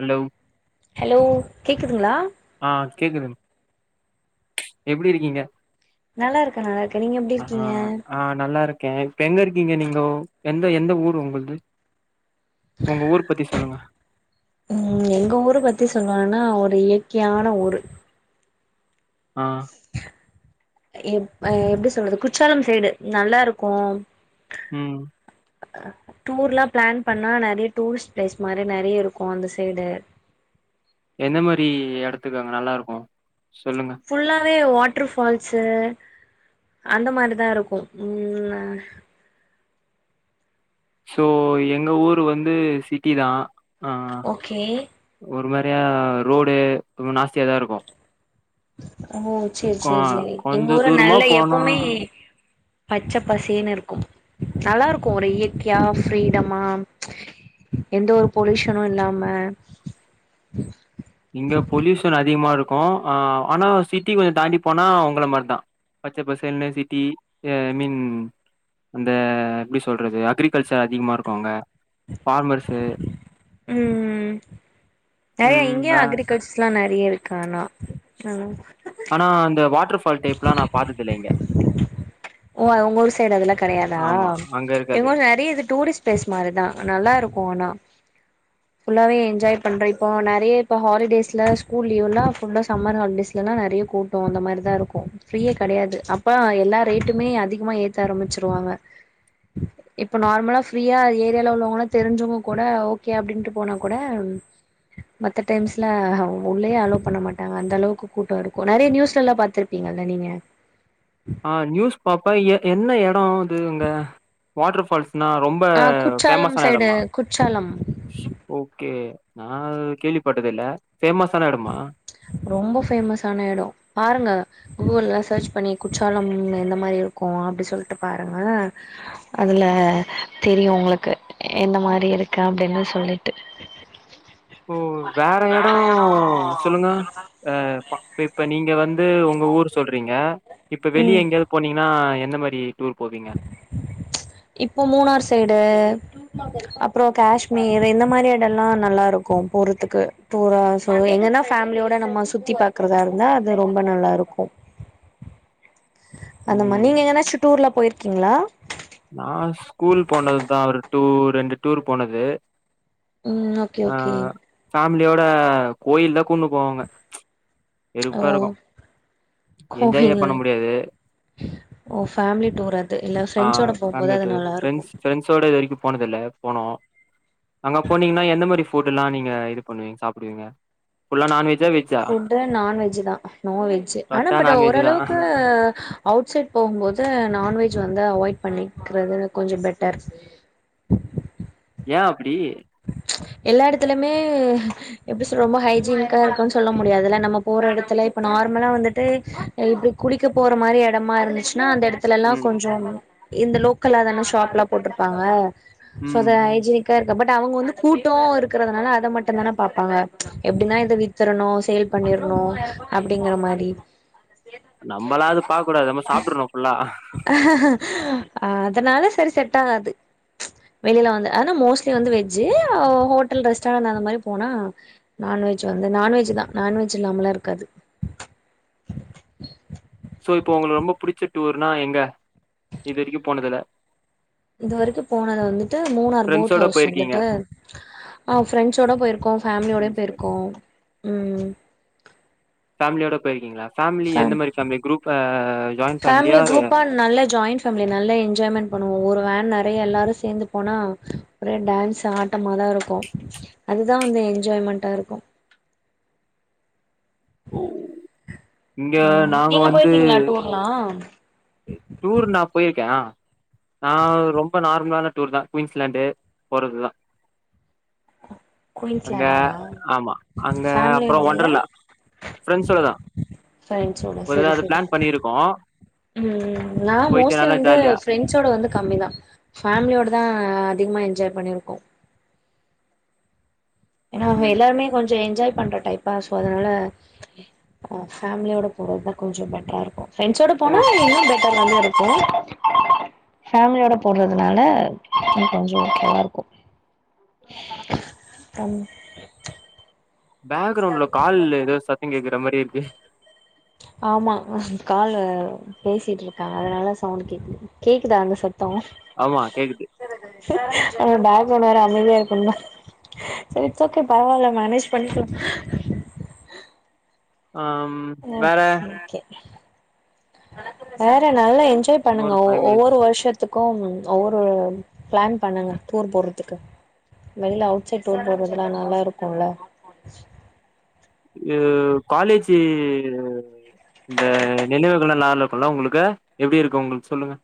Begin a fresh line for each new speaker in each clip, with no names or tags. Hello
hello கேக்குதுங்களா
ஆ கேக்குதுங் எப்படி இருக்கீங்க
நல்லா இருக்கே நல்லா இருக்கே நீங்க எப்டி
ஆஹ
இருக்கீங்க
ஆ நல்லாருக்கே இப்ப எங்க இருக் நீங்க நீங்கோ எந்த எந்த ஊரு உங்கள்து உங்க ஊர் பத்தி சொல்லுங்க
ம் எங்க ஊர பத்தி சொல்லணுன்னா ஒரு எ கியான ஊரு
ஆ
எப் எப்டி சொல்றது குற்றாலம் சைடு நல்லாருக்கு
ம்
டூர்லா ப்ளான் பண்ணா நெறைய டூரிஸ்ட் ப்ளேஸ் மாரி நெறையருக்கு அந்த சைடு
எந்த மாரி எடத்துக் அங்க நல்லாருக்கு
ஃபுல்லாவே வாட் வாட்ரு ஃபால்ஸு அந்த மாரி தா இருக்கு ம் ஆ
சோ எங்க ஊரு வந்து சிட்டி தா ஆ
ஓகே
ஒரு மாரியா ரோடு ரொம்ப நாஸ்தியாதாருக்கு
ஓ சேர் சேர் சேரி எங்க
கொஞ்ச
ஊருல
தூரமா
நல்ல
போனா
எப்பவுமே பச்ச பசேன்னு இருக்கு நல்லாருக்கு ஒரு இயற்கையா ஃரீடமா எந்த ஒரு பொலுஷனு இல்லாம
இங்க பொலுயூஷன் அதிகமாருக் கு ஆ ஆனா சிட்டி கொஞ்சோ தாண்டி போனா உங்கள மாரி தா பச்ச பசேல்னு சிட்டி ஐ மின் அந்த எப்டி சொல்றது அக்ரிகல்ச்சர் அதிகமாகருக்கு அங்க ஃபார்மர்ஸு
ம் ம் [unintelligible] இங்க
ம்
யு
அ
அக்ரிகல்ச்சர்ஸ்லா நெறையாருக் [unintelligible] சொல்லுங்
ஆனா அந்த வாட்
ஒ உங்கூரு சைடு அதெல்லா கெடையாதா
ஆமா அங்க
எங்க
இருக்காது
ஊர் நெறைய இது டூரிஸ்ட் ப்ளேஸ் மாரிதா நல்லாருக்கு ஆனா ஃபுல்லாவே என்ஜாய் பண்ற இப்போ நெறைய இப்போ ஹாலிடேஸ்ல ஸ்கூல் லீவ்னா ஃபுல்லா சம்மர் ஹாலிடேஸ்லனா நெறைய கூட்டோ அந்த மாதிரிதா இருக்கு ஃப்ரீயே கெடையாது அப்ப எல்லா ரேட்டுமே அதிகமா ஏத்து ஆரமிச்சிருவாங்க இப்ப நார்மலா ஃப்ரீயா ஏரியால உள்ளவங்கெல்லா தெரி்சவங்க கூட ஓகே அப்டின்ட்டு போனா கூட மத்த டைம்ஸ்ல உள்ளயே அலோ பண்ண மாட்டாங்க அந்த அளவுக்கு கூட்ட இருக்கு நெறைய நியூஸ்லலா பாத்துருப்பீங்கல்ல நீங்க
ஆ நியூஸ் பாப்ப எ என்ன எ ட அது உங்க வாட்ரு ஃபால்ஸ் நா ரொம்ப
ஆ குற்றாலம்
ஃபேமஸான
சைடு
எடமா
குற்றாலம்
ஓகே நா கேள்விப்பட்டதே இல்ல
ரொம்ப ஃபேமஸான எடம் பாருங்க கூகுள்ல சர்ச் பண்ணி குற்றாலம் எந்த மாதிரி இருக்கு அப்டி சொல்ட்டு பாருங்க அதுல தெரியு உங்களுக்கு எந்த மாரி இருக்க அப்டின்னு சொல்லிட்டு
ஓ வேற எடோ [unintelligible] சொல்லுங்க ஆஹ் பாக் இப்ப இப்ப நீங்க வந் து உங்க ஊரு சொல்றீங்க இப்ப
ம்
வெளிய எங்கேயாவ்து போனீங்கன்னா என் இந்த மாரி டூர் போவீங்க
இப்போ மூணார் சைடு அப்றோ காஷ்மீர் இந்த மாரி எடோ எல்லா நல்லா இருக்கு போறதுக்கு டூரா சோ எங்கன்னா ஃபேமிலியோட நம்ம சுத்தி பாக்குறதா இருந்தா அது ரொம்ப நல்லா இருக்கு அந்த [inaudible]
ம்
நீங்க எங்கனாச்சு டூர்லா போய் இருக் கீங்ளா
நா ஸ்கூல் போனதுதா ஒரு டூ ரெண்டு டூர் போனது
உம் ஓகே ஓகே
மிலியோட கோயில்தா [unintelligible] போவாங்க
ஓ
வெறுப்பா இருக்கும் என்ஜாயே
கோவில்
பண்ண முடியாது
ஓ ஃபேமிலி டூர் அது இல்ல ஃபிரண்ட்ஸ்ஸோட போ
ஃபேமிலி டூர் ஃபிரண்ட்ஸ் ஃபிரண்ட்ஸ்ஸோட இது வரிக்கு போனது இல்ல போனு அங்க போனீங்ன்னா என்ன மாரி ஃபு ஃபுட்ல்லா நீங்க இது பண்ணுவீங் சாப்புடுவீங்க ஃபுல்லா நான் வெஜ்
ஃபுட்டு நான்வெஜ்ஜு தா நோ வெஜ்ஜு ஆனா
தொட்டா
பட்
நான்வெஜ் தான்
ஓரளவுக்கு அவுட் சைட் போகும்போது நான்வெ ஜ்ல வந்து அவாய்ட் பண்ணிக்கிறது கொஞ்சோ பெட்டர்
ஏ அப்பிடி
எல்லா எடத்துலுமே எப்டி சொல் ரொம்ப ஹைஜீனிக்கா இருக்குன் சொல்ல முடியாதுல்ல நம்ம போற எடத்துல இப்ப நார்மலா வந்துட்டு இப்டி குளிக்க போற மாரி எடமா இருந்துச் சுனா அந்த எடத்துலல்லா
ம்
கொஞ்சோ ம் இந்த லோக்கலா தான ஷாப் ல்லா போட்டுருப்பாங்க சோ
ம்
த ஹைஜீனிக் க இருக்க பட் அவுங்க வந்து கூட்டோ இருக்கிறதுனால அத மட்டுந் தானே பாப்பாங்க ச்ச் எப்டினா இத வித்துரணு சேல் பண்ணிர்ணு அப்டிங்கற மாரி
நம்பளாது பாக் கூடாது நம்ம சாப்ட்றணு ஃபுல்லா
அ அதனால செரி செட் ஆகாது ச்ச் வெளில வந்து ஆனா மோஸ்ட்லி வந்து வெஜ்ஜு ஹோட்டல் ரெஸ்டாரண் அந்த மாரி போனா நான்வெஜ் வந்து நான்வெஜ்ஜு தா நான்வெஜ் இல்லாமலா இருக்காது
சோ இப்போ உங்குளு ரொம்ப புடிச்ச டூர்னா எங்க இது வெரிக்கு போனதுல
இது வரிக்கு போனது வந்துட்டு மூனார் போட்
ஃப்ரெண்ட்ஸோட
ஹவுஸ்
போயிருக்கீங்க
வந்துட்டு அ ஃப்ரெண்ட்ஸோட போயிருக்கோ ஃபேமிலியோடயு
ஃப்ரெண்ட்ஸோட
போயிருக்கோ ம்
ஃபேமிலியோட போயிருக்கீங்களா ஃபேமிலி எந்த மாரி ஃபேமிலி குரூப் ஆ
[unintelligible]
ஜாயிண்ட்
ஃபேமிலி
ஃபேமிலியா
குரூப்பா நல்லா ஜாயிண்ட் ஃபேமிலி நல்லா என்ஜாய்மென்ட் பண்ணுவோம் ஒரு வேன் நெறைய எல்லாரும் சேர்ந்து போனா ஒரே டான்ஸ்ஸா ஆட்டமா தான் இருக்கும் அதுதான் வந்து என்ஜாய்மெண்டா இருக்கும்
ஓ இங்க
ம்
நாங்க
நீங்க
வந்து
போயிருக்கீங்களா டூர்லா
டூர் நா போயிருக்கே ஆஹ் நா ரொம்ப நார்மலான டூர் தா குயின்ஸ்லாண்டு போறதுதா அங்க
குயின்ஸ்லாண்டா
ஆமா அங்க அப்ற
ஃபேமிலியோடயா
ஒண்ரலா ஃபிரண்ட்ஸோடதா
ஃபிரண்ஸ்சோட சரி சரி ம் நா
போயிட்டு
மோஸ்ட்லி
நல்லா
வந்து
ஜாலியா
ஃபிரெண்ட்ஸோட வந்து கம்மிதா ஃபேமிலியோட தா அதிகமா என்ஜாய் பண்ணிருக்கோ ஏன்னா
ம்
எல்லாருமே கொஞ்ச என்ஜாய் பண்ற டைப்பா ஸோ அதனால அஹ் ஃபேமிலியோட போறது தா கொஞ்ச பெட்ராருக்கு ஃபிரெண்ட்ஸோட
உங்க
போனா இன்னு பெட் [unintelligible] இருக்கும் ஃபேமிலியோட போறதுனால கொஞ்ச ஓகேயா இருக்கு ஆம்
பேக்ரவுண்ட்ல கால் ஏதோ சத்தங்கேக் ன மேரியே இருக்கு
ஆமா கால் பேசிட்டு இருக்க அதனால சவுண்ட் கேக்குது கேக்குதா அந்த சத்
ஆமா கேக்குது
பேக்ரவுண்ட் வேற அமைதியா இருக்கும்ல சேரி இட்ஸ் ஓகே பரவால்ல மேனேஜ் பண்ணிக்கலா
ஆம் வேற
ஏ நல்லா என்ஜாய் பண்ணுங்க
ஒரு
ஒ
ஃபைவ் மினிட்ஸ்
ஒவ்வொரு வருஷத் த்துக்கும் ஒவ்வொரு பிளான் பண்ணுங்க டூர் போடுறதுக்கு வெளியில அவுட்சைட் டூர் போறதுலா நல்லாருக்குல
அஹ் காலேஜ்ஜு இந்த நினைவுகள்லா இருக்குல உங்களுக்கு எப்படி இருக்கு உங்களுக்கு சொல்லுங்க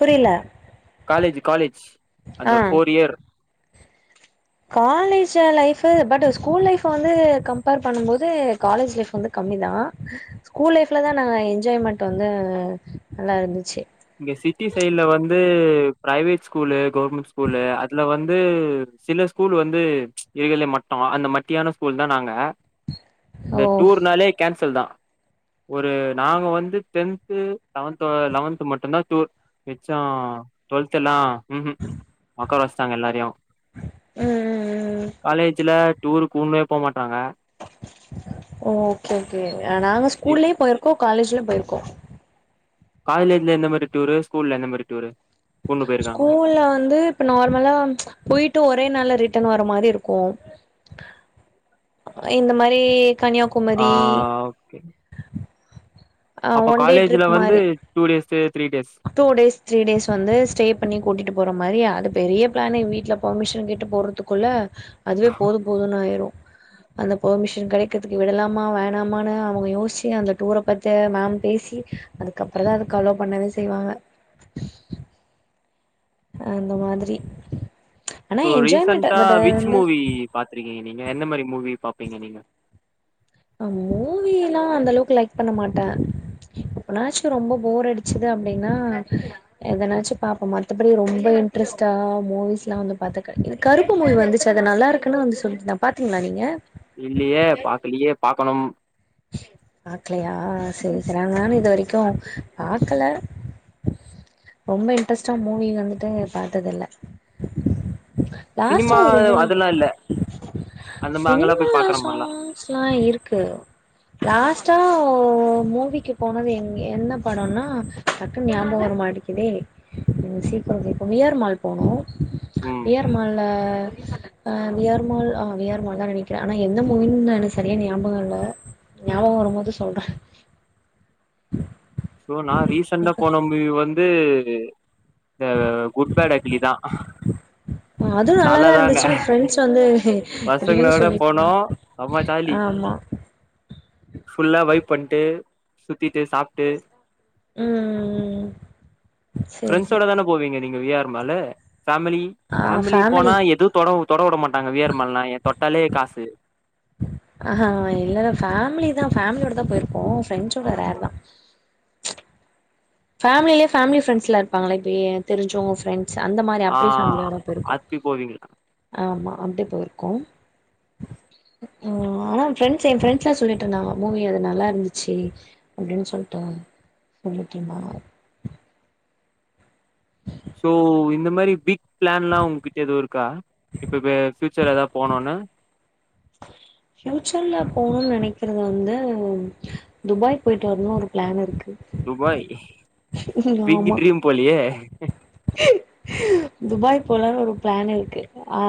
புரியல
காலேஜ் காலேஜ்
ஆ
அந்த four year
college life but school life வந்து கம்பேர் பண்ணுபோது காலேஜ் லைஃப் வந்து கம்மி தா ஸ்கூல் லைஃப்ல தா நாங்க என்ஜாய்மெண்ட்டு வந்து நல்லாருந்துச்சு
இங்க சிட்டி சைல வந்து பிரைவேட் ஸ்கூலு கவர்மெண்ட் ஸ்கூலு அதுல வந் வந்து சில ஸ்கூல் வந்து இருகல மட்டம் அந்த மட்டியான ஸ்கூல் தா நாங்க
ஓ
இந்த டூர்னாலே கேன்சல் தா ஒரு நாங்க வந்து டென்து லெவன்த்தூ லெவன்த் மட்டும்தா டூர் மிச்ச டுவெல்தெல்லா ம்ஹும் ஒக்கார வச்ட்டாங்க எல்லாரையு
ம் ம்
காலேஜ்ல டூர் கூட்னே போமா
ஓ ஓகே ஓகே நாங்க
இப்
ஸ்கூல்லயே போயிருக்கோ காலேஜ் துல போயிருக்கோ
காலேஜ்ல எந்த மாரி டூரு ஸ்கூல்ல எந்த மாரி டூரு கூட்னு போயிருக்காங்க
ஸ்கூல்ல வந்து இப்ப நார்மலா போயிட்டு ஒரே நாள ரிட் டன் வர மாரி இருக்கும் இந்த மாரி
ஆ
கன்னியாகுமரி
ஓகே
ஆ
அப்ப
ஒன் டே
காலேஜ்ல
ட்ரிப்
வந்து
மாரி
two days three
two days three days வந்து ஸ்டே பண்ணி கூட்டிட்டு போற மாரி அது பெரிய பிளானே வீட்டில பர்மிஷன் கேட்டு போடுறதுக்குள்ளே அதுவே போதும் போதும்ன்னு ஆயிரும் அந்த பர்மிஷன் கிடைக்கிறதுக்கு விடலாமா வேணாமான்னு அவங்க யோசிச்சு அந்த டூரை பத்தி மேம் பேசி அதுக்கப்புற தா அதுக்கு அலோ பண்ணவே செய்வாங்க அந்த மாதிரி ஆனா
சோ
என்ஜாய்மெண்ட்
ரீசென்டா
பட்
விச் மூவி பாத்திரிக்கீங்க நீங்க எந்த மாரி மூவி பாப்பீங்க நீங்க
ஆ மூவி எல்லா அந்த அளவுக்கு லைக் பண்ண மாட்டே எப்பனாச்சும் ரொம்ப போர் அடிச்சுது அப்டின்னா எதனாச்சும் பாப்போ மத்தபடி ரொம்ப இன்ட்ரெஸ்ட்டா மூவிஸ்லா வந்து பாத்தக இது கருப்பு மூவி வந்துச்சு அதது நல்லா இருக்குன்னு வந்து சொல்லிட்டுருந்தாங்க பாத்தீங்களா நீங்க
இல்லியே பாக்கலியே பாக் கனும்
பாக்கலையா சேரி சேரி நானும் இது வரைக்கும் க்கு பாக்கல ரொம்ப இன்ட்ரெஸ்டா மூவி வந்துட்டு பாத்ததில்ல லாஸ்ட்
சினிமா
ஒரு மூ
அதெல்லா இல்ல அந்த அங்கெல்லா
சினிமா
போய் பாக்குற மாரிலா
சாங்ஸ்ல்லா இருக்கு லாஸ்டா மூவிக்கு போனது எங் என்ன படம்னா டக்குனு ஞாபகம் வர மாடிக்குதே எங்க சீக்கிரம்ப்ப வி ஆர் மால் போனோம்
ம்
வி ஆர் மால்ல ஆ வி ஆர் மால் ஆ வி ஆர் மால் தா நெனைக்கிறே ஆனா எந்த மூவின்னு எனக்கு சரியா ஞாபகம்ல ஞாபகம் வரும்போது சொல்ற
சோ நா ரீசண்டா போன மூவி வந்து து இந்த குட்பேட் அக்லி தா
அதுவு நல்லாதா
தலதாங்க
இருந்துச்சு ஃப்ரெண்ட்ஸ் வந்து ரிவ்யூ
பசங்களளோட
சொல்லிட்ருந்தாங்க
போனோம் சமாஜாலி
ஆமா
ஃபுல்லா வைப் பண்ட்டு சுத்திட்டு சாப்ட்டு
ம்ம்
ஃப்ரரெண்ட்ஸோட தான போவீங்க நீங்க இங்க V R mall family family போனா எதுவும் தொட தொடவிட மாட் நாங்க வி ஆர்மல்னா எ தொ ட்டாலே காசு
ஆஹா இல்ல நா ஃபேமிலிதா ஃபேமிலியோடதா போயிருக்கோ ஃப்ரெண்ட்ஸோட ரேர்தா ஃபேமிலிலயே பேமிலி ஃபிரண்ட்ஸ்லா இருப்பாங்கலே இப்ப எனக்கு தெரிஞ்சவங்க ஃப்ரெண்ட் ஸ் அந்த மாரி
ஆ
அப்படி ஃபேமிலியோட போயிருகோ
அப்பி போவீங்களா
ஆமா அப்டி போயிருக்கோ அ ஆனா ஃப்ரெண்ட்ஸு எ ஃப்ரெண்ட்ஸ்லா சொல்லிட்ருந்தாங்க மூவி அது நல்லா இருந்துச்சு அப்டின் சொல்ட்ருந்தாங் சொல்லி ட்ருந்தாங்க
சோ இந்த மாரி பிக் பிளான்லா உங்ககிட்ட எதுவு இருக்கா இப்ப இப்ப ஃபியூச்சர்ல எதா போனோனு
ஃபியூச்சர்ல போகணுனு நெனைக்கறது வந்து துபாய் போயிட்டு வரணுனு ஒரு பிளான் இருக்கு.
துபாய் பிக்
ஆமா
ட்ரீம் போலியே.
துபாய் போலானு ஒரு பிளான் இருக்கு ஆ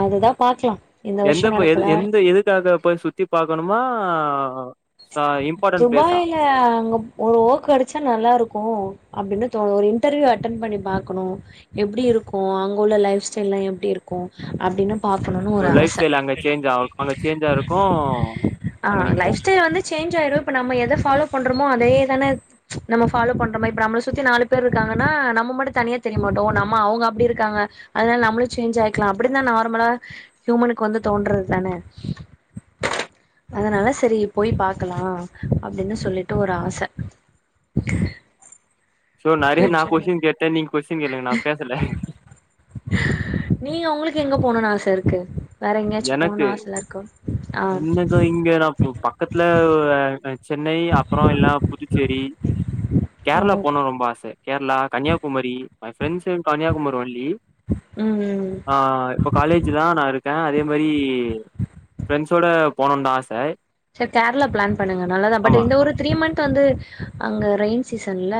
அதுதா பாக்லா இந்த
எந்த
வருஷோ
போய் எது
நடக்குதா
எந்த எதுக்காக போய் சுத்தி பா க்கணுமா
துபாயில அங்க ஒரு ஒக் கெடைச்சா நல்லாருக்கு அப்டினு தோணு ஒரு இன்டர்வியூ அட்டன் பண்ணி பாக்கணு எப்டி இருக்கு அங்க உள்ள லைஃப் ஸ்டைல்லா எப்டி இருக்கு அப்டின்னு பாக்கணுனு
உங்க
ஒரு
லைஃப்
ஆச
ஸ்டைல் அங்க சேஞ்ச் ஆவ் அங்க சேஞ்சா இருக்கு
ஆ
அங்க நீங்க
லைஃப்
போங்
ஸ்டைல் வந்து சேஞ்ச் ஆயிரு இப்ப நம்ம எத ஃபாலோ பண்றோமோ அதேதான நம்ம ஃபாலோ பண்ற மாரி இப்ப நம்பள சுத்தி நாலு பேரு இருக்காங்கன்னா நம்ம மட்டு தனியா தெரியமாட்டோ நம்ம அவுங்க அப்டி இருக்காங்க அத்னால நம்மளும் சேஞ்சாயிக்லா அப்டின்தான நார்மலா ஹ்யூமனுக்கு வந்து தோன்றத் தான அதனால சரி போய்ப் பா க்கலா அப்டின்னு சொல்லிட்டு ஒரு ஆச
சோ நறைய நா
ஃபியூச்சர்ல
கொஷ்ஷின் கேட்ட நீங்க கொஷ்ஷின் கேளுங்க நா பேசல
போணுனு ஆச இருக்கு வேற எங்கயாச்சு போணுன்னு
எனக்கு
ஆசல்லா இருக்கா ஆ
இன்னக்கா இங்க நா ப பக்கத்துல சென்னை அப்பறொ இல்னா புதுச்சேரி
ஓ
கேர்ளா போனுன் ரொம்ப ஆச கேர்ளா Kanyakumari my friends in Kanyakumari only
ம்
ஆ இப்பொ காலேஜுதா நாருக் அதே மாரி ஃப்ரண்ட்ஸோட போனோனு ஆச
சே கேர்ளா ப்ளான் பண்ணுங்க நல்லாதா பட்
ஆமா
இந்த ஒரு த்ரீ மந்த் து வந்து அங்க ரெயின் சீசன்ல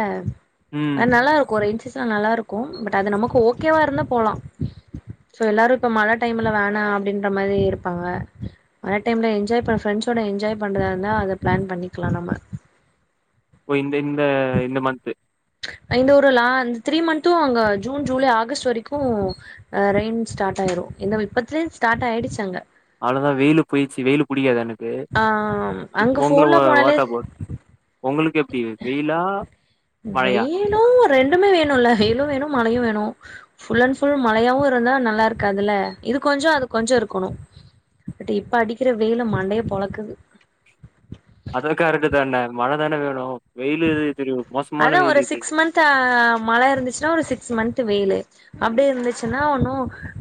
ம்
அத் நல்லா இருக்கு ரெய்ன் சீ நல்லாருக்கு பட் அது நமக்கு ஓகேவா இருந்தா போலா சோ எல்லாரு இப்ப மழ டைம்ல வேணா அப்படின்ற மாரி இருப்பாங்க மழ டைம்ல என்ஜாய் பண்ற ஃபிரண்ட்ஸ் ஓட என்ஜாய் பண்றதா இருந்தா அத பிளான் பண்ணிக்கலா நம்ம
பொயின் த இந்த இந்த மன்த்து
இந்த ஊருலா இந்த த்ரீ மந்த்து அங்க ஜூன் ஜூலை ஆகஸ்ட் வரைக்கு ஆ ரெயின் ஸ்டாட் ஆயிரு இந்த இப்பத்துலேந் ஸ்டாட் ஆயிடுச்சு அங்க
அவளதா வெயிலு போயிச்சு வெயிலு புடிக்காது எனக்
ஆ
து
அங்க
உங்கள
ஃபோன்ல
வா
போனாலே
வாட் அபௌட் உங்களுக் எப்டி வெயிலா மழையா
வெயிலும் ரெண்டுமே வே க்கனுல இல்ல வெயிலும் வேணும் மழையும் வேணும் ஃபுல் அண்ட் ஃபுல் மழையாவும் இருந்தா நல்லா இருக்கு அதுல இது கொஞ்சோம் அது கொஞ்சோம் இருக்கணும் பட் இப்ப அடிக்கிற வெயில மண்டைய பொழக்குது
அது கரக்ட்டு தானே மழ அதான வேணும்
அதான் ஒரு சிக்ஸ் மந்த்த் மழை இருந்துச்சுன்னா ஒரு சிக்ஸ் மந்த்த் வெய்லு அப்டி இருந்துச்சுன்னா ஒன்னு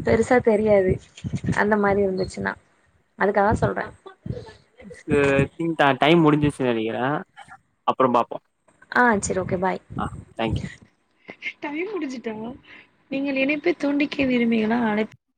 பெருசா தெரியாது அந்த மாதிரி இருந்துச்சுன்னா அதுக்க தான் சொல்றேன்
து டின் டைம் முடிஞ்சச்சு நெனைக்கிறே அப்றோ பாப்போம்
ஆஹ் செரி ஓகே பாய் டைம் முடிஞ்சுட்டா நீங்கள் இனைப்பை துண்டிக்க விரும்பிகளா அழை